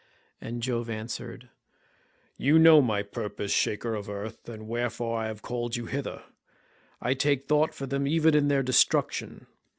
And Jove answered, "You know my purpose, shaker of earth, and wherefore I have called you hither. I take thought for them even in their destruction.